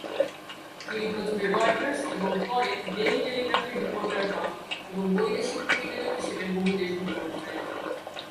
তিনি প্রথমে রয়টার্স এবং পরে ডেইলি টেলিগ্রাফের রিপোর্টার হন এবং বৈদেশিক প্রতিবেদক হিসেবে বহু দেশ ভ্রমণ করেন।